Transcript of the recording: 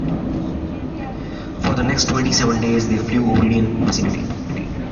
For the next twenty-seven days, they flew over the Meridian vicinity.